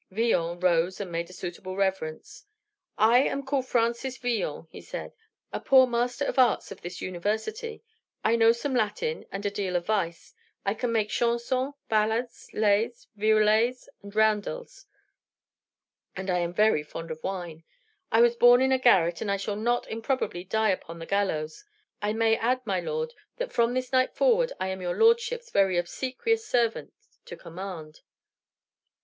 Villon rose and made a suitable reverence. "I am called Francis Villon," he said, "a poor Master of Arts of this university. I know some Latin, and a deal of vice. I can make chansons, ballades, lais, virelais, and roundels, and I am very fond of wine. I was born in a garret, and I shall not improbably die upon the gallows. I may add, my lord, that from this night forward I am your lordship's very obsequious servant to command."